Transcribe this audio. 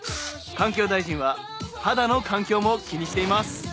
「環境大臣は肌の環境も気にしています」。